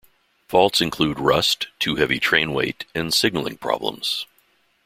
Faults included rust, too heavy train weight, and signaling problems.